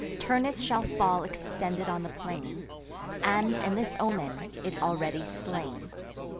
Turnus shall fall extended on the plain, And, in this omen, is already slain.